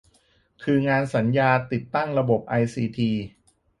คืองานสัญญาติดตั้งระบบไอซีที